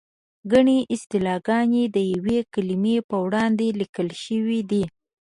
ګڼې اصطلاحګانې د یوې کلمې په وړاندې لیکل شوې دي.